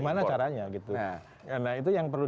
gimana caranya gitu nah itu yang perlu